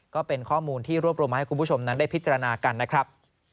ก็เป็นข้อมูลที่รวบรวมมาให้คุณผู้ชมนั้นได้พิจารณากันนะครับ